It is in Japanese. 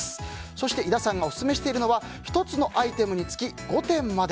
そして、井田さんがオススメしているのは１つのアイテムにつき５点まで。